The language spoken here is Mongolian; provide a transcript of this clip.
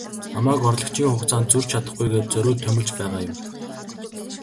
Намайг орлогчийн хугацаанд зөрж чадахгүй гээд зориуд томилж байгаа юм.